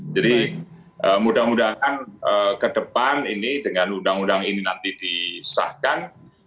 jadi mudah mudahan ke depan ini dengan undang undang ini nanti diserahkan